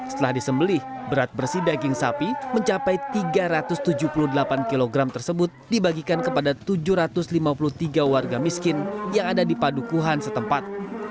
setelah disembelih berat bersih daging sapi mencapai tiga ratus tujuh puluh delapan kg tersebut dibagikan kepada tujuh ratus lima puluh tiga warga miskin yang ada di padukuhan setempat